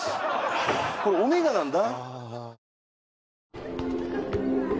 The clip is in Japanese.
これオメガなんだ